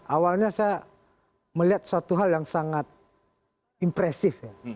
awalnya saya melihat suatu hal yang sangat impresif ya